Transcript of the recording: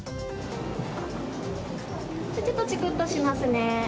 ちょっとちくっとしますね。